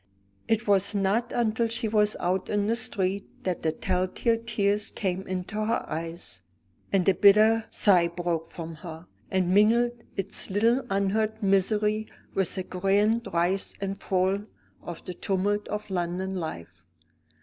It was not until she was out in the street that the tell tale tears came into her eyes, and the bitter sigh broke from her, and mingled its little unheard misery with the grand rise and fall of the tumult of London life.